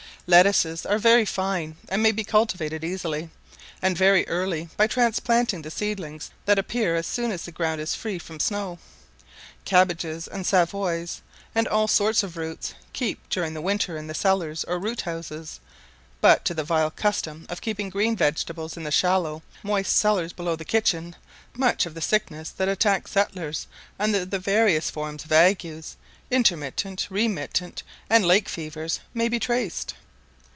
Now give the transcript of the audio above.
Lettuces are very fine, and may be cultivated easily, and very early, by transplanting the seedlings that appear as soon as the ground is free from snow. Cabbages and savoys, and all sorts of roots, keep during the winter in the cellars or root houses; but to the vile custom of keeping green vegetables in the shallow, moist cellars below the kitchens, much of the sickness that attacks settlers under the various forms of agues, intermittent, remittent, and lake fevers, may be traced.